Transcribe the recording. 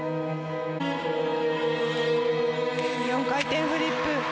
４回転フリップ。